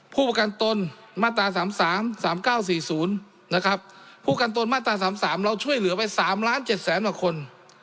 ผู้ประกันตนมาตราสามสามสามเก้าสี่ศูนย์นะครับผู้ประกันตนมาตราสามสามเราช่วยเหลือไปสามล้านเจ็ดแสนว่าคน